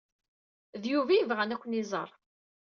D Yuba ay yebɣa Ken ad iẓer.